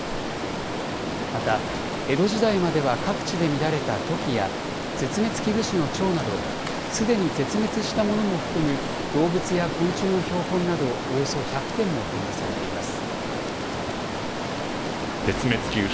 また、江戸時代までは各地で見られたトキや、絶滅危惧種のちょうなど、すでに絶滅したものも含む動物や昆虫の標本など、およそ１００点も展示されています。